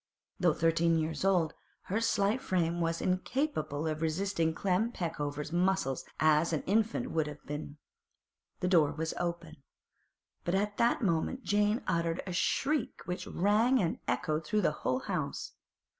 Though thirteen years old, her slight frame was as incapable of resisting Clem Peckover's muscles as an infant's would have been. The door was open, but at that moment Jane uttered a shriek which rang and echoed through the whole house.